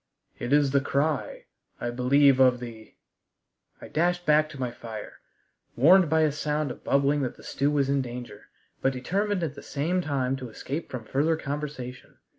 It is the cry, I believe of the " I dashed back to my fire, warned by a sound of bubbling that the stew was in danger, but determined at the same time to escape from further conversation.